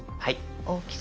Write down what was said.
大きさ。